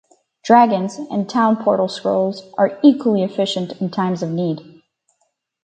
Dragons and Town Portal Scrolls are equally efficient in times of need.